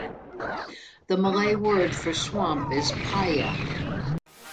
The Malay word for swamp is "paya".